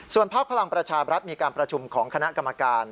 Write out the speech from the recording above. พักพลังประชาบรัฐมีการประชุมของคณะกรรมการ